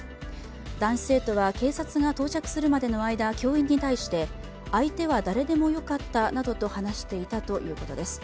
男子生徒は警察が到着するまでの間、教員に対して相手は誰でもよかったなどと話していたということです。